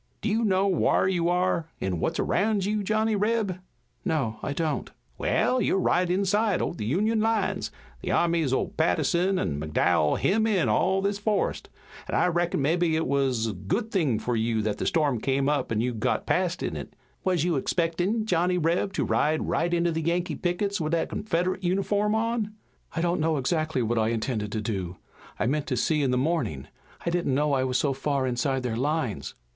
Do you know whar you are an' what's around you, Johnny Reb?" "No, I don't." "Wa'al, you're right inside o' the Union lines. The armies o' Patterson an' McDowell hem in all this forest, an' I reckon mebbe it wuz a good thing fur you that the storm came up an' you got past in it. Wuz you expectin', Johnny Reb, to ride right into the Yankee pickets with that Confedrit uniform on?" "I don't know exactly what I intended to do. I meant to see in the morning. I didn't know I was so far inside their lines."